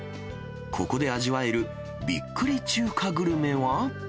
ここで味わえるびっくり中華グルメは。